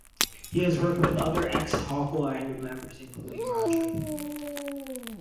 He has worked with other ex-Hawkwind members including Ron Tree.